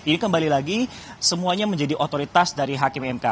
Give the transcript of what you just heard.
ini kembali lagi semuanya menjadi otoritas dari hakim mk